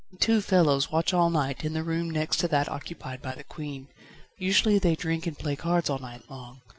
Two fellows watch all night, in the room next to that occupied by the Queen. Usually they drink and play cards all night long.